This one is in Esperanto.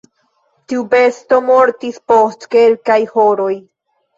Tiu besto mortis post kelkaj horoj.